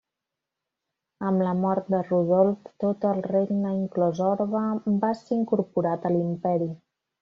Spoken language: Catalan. Amb la mort de Rodolf, tot el regne, inclòs Orbe, va ser incorporat a l'imperi.